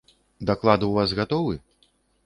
Даклад у вас гатовы?